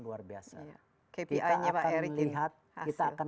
luar biasa kita akan